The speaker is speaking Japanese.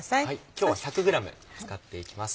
今日は１００ｇ使っていきます。